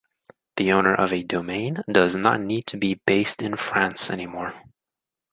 The owner of a domain does not need to be based in France anymore.